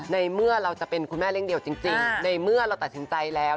ในเมื่อเราจะเป็นคุณแม่เลี้ยเดี่ยวจริงในเมื่อเราตัดสินใจแล้ว